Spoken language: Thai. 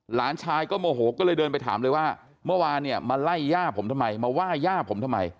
หลานชายก็โมโหก็เลยเดินไปถามเลยว่าเมื่อวานเนี่ยมาไล่ย่าผมทำไมมาว่าย่าผมทำไม